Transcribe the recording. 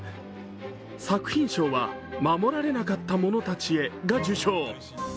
作品賞は「護られなかった者たちへ」が受賞。